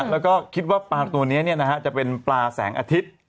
แล้วก็คิดว่าปลาตัวนี้จะเป็นปลาแสงอาทิตย์